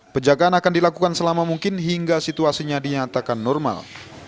penjagaan akan dilakukan selama mungkin hingga situasinya dinyatakan normal